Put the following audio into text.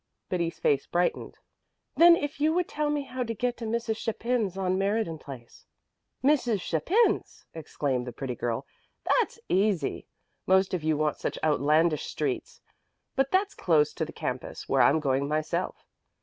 Betty's face brightened. "Then if you would tell me how to get to Mrs. Chapin's on Meriden Place." "Mrs. Chapin's!" exclaimed the pretty girl. "That's easy. Most of you want such outlandish streets. But that's close to the campus, where I'm going myself.